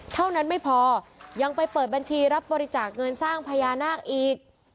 เท่านั้นไม่พอยังไปเปิดบัญชีรับบริจาคเงินสร้างพญานาคอีก